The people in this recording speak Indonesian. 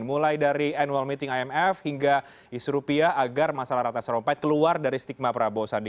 mulai dari annual meeting imf hingga isu rupiah agar masalah ratna sarumpait keluar dari stigma prabowo sandi